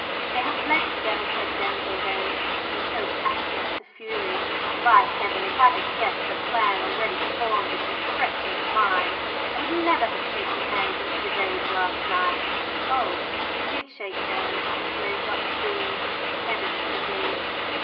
"They have fled together!" said Denzil then, in choked accents of fury. "By Heaven, if I had guessed the plan already formed in his treacherous mind, I would never have shaken hands with Gervase last night!" "Oh, you did shake hands?" queried Dr. Dean, meditatively.